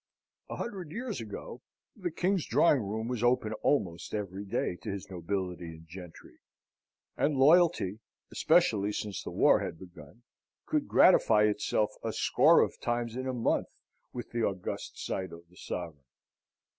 A hundred years ago the King's drawing room was open almost every day to his nobility and gentry; and loyalty especially since the war had begun could gratify itself a score of times in a month with the august sight of the sovereign.